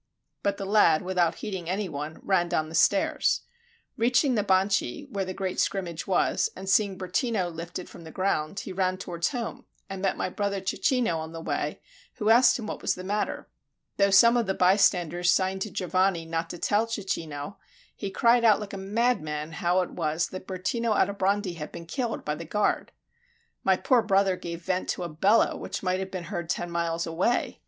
But the lad, without heeding any one, ran down the stairs. Reaching the Banchi, where the great scrimmage was, and seeing Bertino lifted from the ground, he ran towards home, and met my brother Cecchino on the way, who asked what was the matter. Though some of the bystanders signed to Giovanni not to tell Cecchino, he cried out like a madman how it was that Bertino Aldobrandi had been killed by the guard. My poor brother gave vent to a bellow which might have been heard ten miles away.